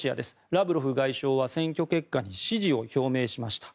ラブロフ外相は選挙結果に支持を表明しました。